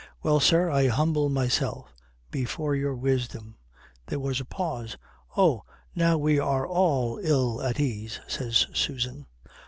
Well, sir, I humble myself before your wisdom." There was a pause. "Oh. Now we are all ill at ease," says Susan.